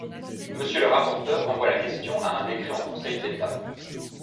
Monsieur le rapporteur renvoie la question à un décret en Conseil d’État.